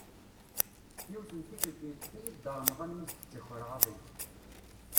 Yiwet n tikelt yeṭṭef-iyi Dda Remḍan mi s-d-ttakreɣ aḍil.